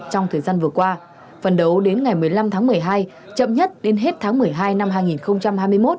trong thời gian vừa qua phần đấu đến ngày một mươi năm tháng một mươi hai chậm nhất đến hết tháng một mươi hai năm hai nghìn hai mươi một